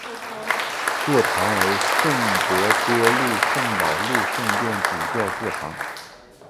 座堂为圣伯多禄圣保禄圣殿主教座堂。